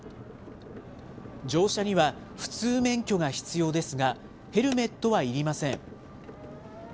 乗車には普通免許が必要ですが、ヘルメットはいりません。